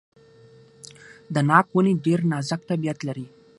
د ناک ونې ډیر نازک طبیعت لري.